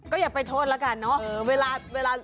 ก็อย่าไปโทษแล้วกันเนอะ